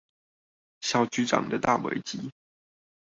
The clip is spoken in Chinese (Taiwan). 小局長的大危機